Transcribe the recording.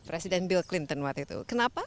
presiden bill clinton waktu itu kenapa